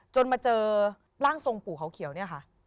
มาเจอร่างทรงปู่เขาเขียวเนี่ยค่ะ